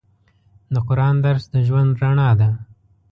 د قرآن درس د ژوند رڼا ده.